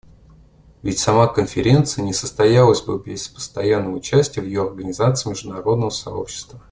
Ведь сама конференция не состоялась бы без постоянного участия в ее организации международного сообщества.